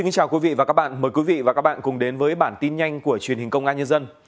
chào mừng quý vị đến với bản tin nhanh của truyền hình công an nhân dân